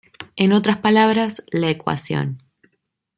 En otras palabras, la ecuación.